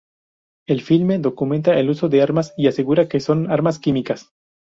El filme documenta el uso de armas y asegura que son armas químicas.